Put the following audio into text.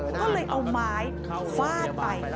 ก็เลยเอาไม้ฟาดไป